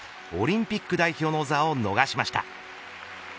オリンピック代表の座を逃しました。